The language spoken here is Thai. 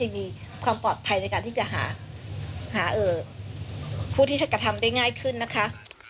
มีความปลอดภัยในการที่จะหาผู้ที่จะกระทำได้ง่ายขึ้นนะคะ